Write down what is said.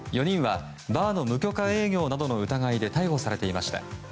４人は、バーの無許可営業などの疑いで逮捕されていました。